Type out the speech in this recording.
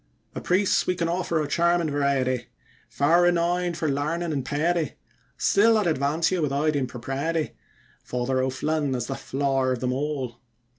Of priests we can offer a charmin' variety, Far renowned for larnin' and piety, Still I'd advance you without impropriety, Father O'Flynn as the flower of them all.